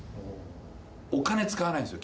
お金使わないんですよ